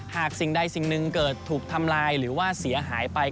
สิ่งใดสิ่งหนึ่งเกิดถูกทำลายหรือว่าเสียหายไป